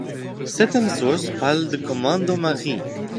Certaines sources parlent de commandos marines.